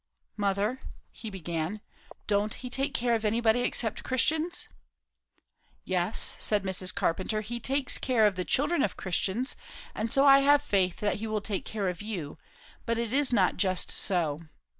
"Mother," she began, "don't he take care of anybody except Christians?" "Yes," said Mrs. Carpenter; "he takes care of the children of Christians; and so I have faith that he will take care of you; but it is not just so.